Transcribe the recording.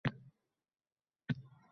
Ayting nima qilay